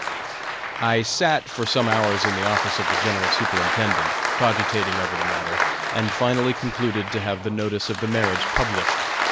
I sat for some hours in the office of the General Superintendent, cogitating over the matter, and finally concluded to have the notice of the marriage published.